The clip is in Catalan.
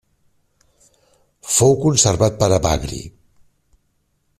Fou conservat per Evagri.